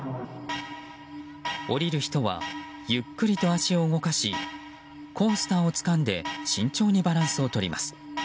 降りる人はゆっくりと足を動かしコースターをつかんで慎重にバランスを取ります。